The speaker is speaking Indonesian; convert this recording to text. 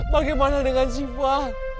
bagaimana dengan siva